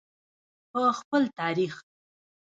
په خپل تاریخ.